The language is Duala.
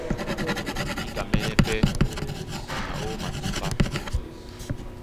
Níkamɛ́nɛ́ pɛ́ na ó matúmbá.